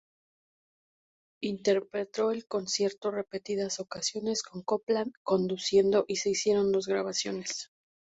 Interpretó el concierto en repetidas ocasiones con Copland conduciendo y se hicieron dos grabaciones.